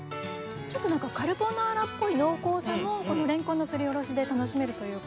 ちょっと何かカルボナーラっぽい濃厚さもこのレンコンのすりおろしで楽しめるというか。